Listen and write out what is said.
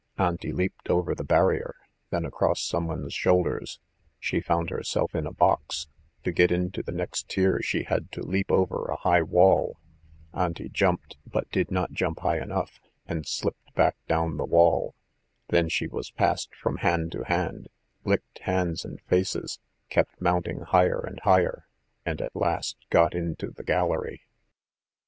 Auntie leaped over the barrier, then across someone's shoulders. She found herself in a box: to get into the next tier she had to leap over a high wall. Auntie jumped, but did not jump high enough, and slipped back down the wall. Then she was passed from hand to hand, licked hands and faces, kept mounting higher and higher, and at last got into the gallery.